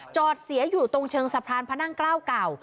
จอดเสียอยู่ตรงเชิงสะพานพระนั่งเกล้าเก่า